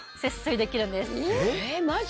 えっマジ？